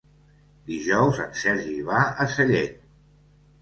Dijous en Sergi va a Sellent.